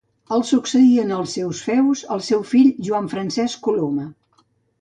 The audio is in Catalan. El succeí en els seus feus el seu fill Joan Francesc Coloma.